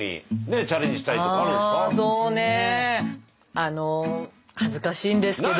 あの恥ずかしいんですけど。